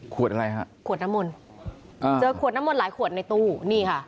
อะไรฮะขวดน้ำมนต์อ่าเจอขวดน้ำมนต์หลายขวดในตู้นี่ค่ะ